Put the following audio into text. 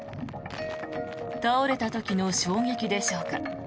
倒れた時の衝撃でしょうか